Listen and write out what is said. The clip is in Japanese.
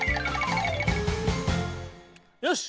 よし！